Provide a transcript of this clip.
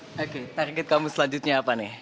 oke target kamu selanjutnya apa nih